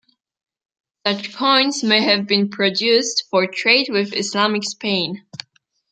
Such coins may have been produced for trade with Islamic Spain.